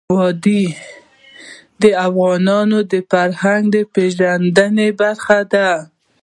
وادي د افغانانو د فرهنګي پیژندنې برخه ده.